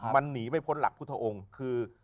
มันหนีไม่พ้นหลักพุทธองค์คือ